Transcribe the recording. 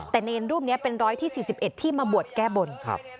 แต่เนรรูปนี้เป็นร้อยที่๔๑ที่มาบวชแก้บน